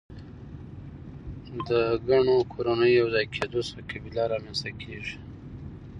د ګڼو کورنیو د یو ځای کیدو څخه قبیله رامنځ ته کیږي.